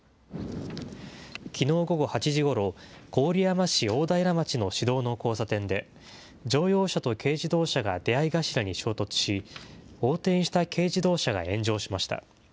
きのう午後８時ごろ、郡山市大平町の市道の交差点で、乗用車と軽自動車が出会い頭に衝突し、横転した軽自動車が炎上しました。